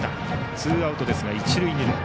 ツーアウトですが一塁二塁。